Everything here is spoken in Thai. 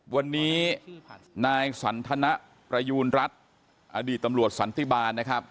วันนี้นายสันทนประยูณรัฐอดีตตำรวจสันติบาลนะครับ